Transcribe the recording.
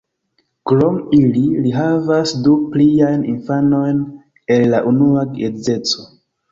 Krom ili, li havas du pliajn infanojn el la unua geedzeco.